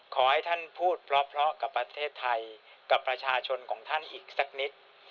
ขอให้ท่านพูดเพราะกับประเทศไทยกับประชาชนของท่านอีกสักนิด